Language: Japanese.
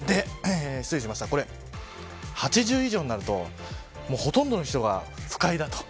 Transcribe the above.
これ、８０以上になるとほとんどの人が不快だと。